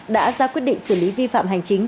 đã ra quyết định xử lý vi phạm hành chính